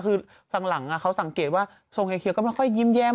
คือหลังเขาสังเกตว่าทรงเฮียก็ไม่ค่อยยิ้มแย้ม